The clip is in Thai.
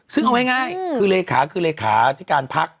ซึ่งเอาง่ายคือเลขาคือเลขาที่การพัก